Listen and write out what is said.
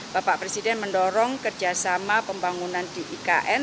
bapak presiden mendorong kerjasama pembangunan di ikn